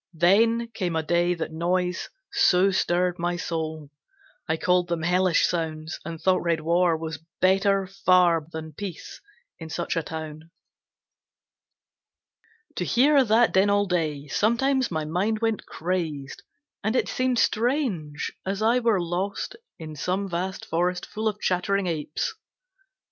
Then came a day that noise so stirred my soul, I called them hellish sounds, and thought red war Was better far than peace in such a town. To hear that din all day, sometimes my mind Went crazed, and it seemed strange, as I were lost In some vast forest full of chattering apes.